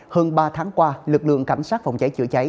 hơn ba tháng qua lực lượng cảnh sát phòng cháy chữa cháy